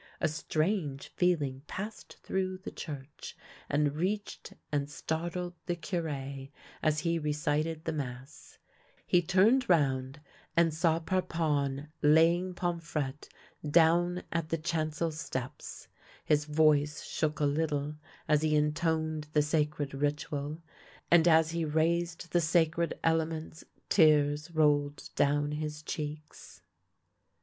A strange feeling passed through the church, and reached and startled the Cure as he re cited the mass. He turned round and saw Parpon laying Pomfrctte down at the chancel steps. His voice shook a little as he intoned the sacred ritual, and as he raised the sacred elements tears rolled down his cheeks.